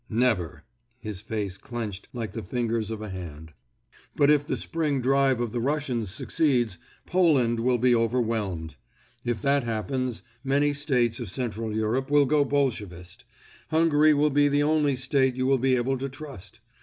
"Never," his face clenched like the fingers of a hand. "But if the spring drive of the Russians succeeds, Poland will be overwhelmed. If that happens, many States of Central Europe will go Bolshevist; Hungary will be the only State you will be able to trust.